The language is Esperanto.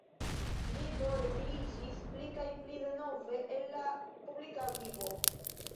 Li do retiriĝis pli kaj pli denove el la publika vivo.